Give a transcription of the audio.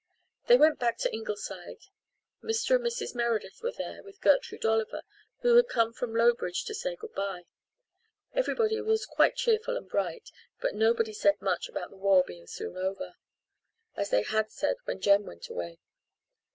They went back to Ingleside. Mr. and Mrs. Meredith were there, with Gertrude Oliver, who had come from Lowbridge to say good bye. Everybody was quite cheerful and bright, but nobody said much about the war being soon over, as they had said when Jem went away.